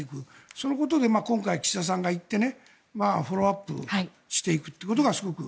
そのことで今回、岸田さんが行ってフォローアップしていくことがこれはすごく。